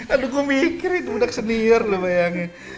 aduh gue mikirin budak senior lo bayangin